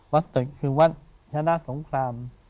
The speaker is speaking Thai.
ตึกคือวัดชนะสงคราม